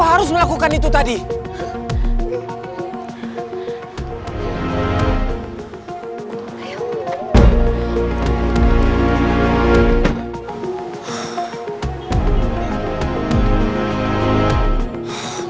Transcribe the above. dari perempuan lain